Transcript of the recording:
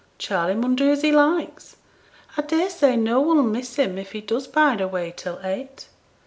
Charley mun do as he likes; I daresay no one'll miss him if he does bide away till eight.'